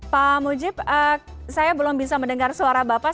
pak mujib saya belum bisa mendengar suara bapak